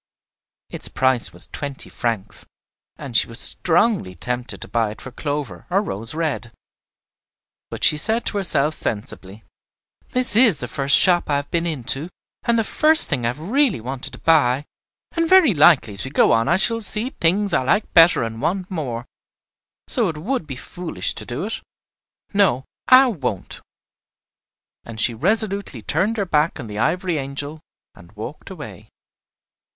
Its price was twenty francs, and she was strongly tempted to buy it for Clover or Rose Red. But she said to herself sensibly, "This is the first shop I have been into and the first thing I have really wanted to buy, and very likely as we go on I shall see things I like better and want more, so it would be foolish to do it. No, I won't." And she resolutely turned her back on the ivory angel, and walked away.